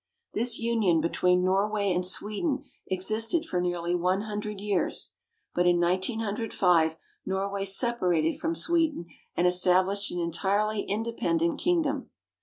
This union between Norway and Sweden existed for nearly one hundred years, but in 1905 Norway separated from Sweden and established an entirely independent kingdom.